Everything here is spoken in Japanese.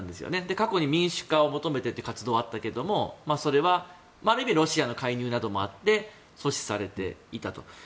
過去に、民主化を求めてっていう活動はあったけどそれはロシアなどの介入もあって阻止されていたと。